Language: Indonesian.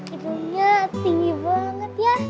itunya tinggi banget ya